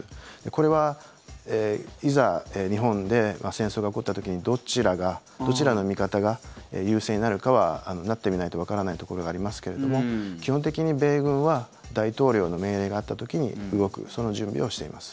これは、いざ日本で戦争が起こった時にどちらの見方が優勢になるかはなってみないとわからないところがありますけれども基本的に米軍は大統領の命令があった時に動くその準備をしています。